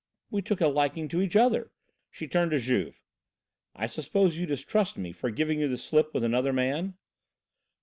"We took a liking to each other." She turned to Juve. "I suppose you distrust me for giving you the slip with another man?"